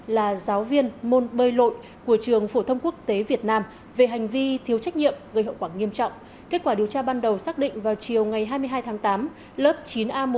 là giáo viên môn bơi lội của trường phổ thông quốc tế việt nam về hành vi thiếu trách nhiệm gây hậu quả nghiêm trọng